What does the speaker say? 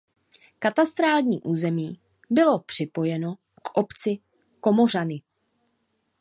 Katastrální území bylo připojeno k obci Komořany.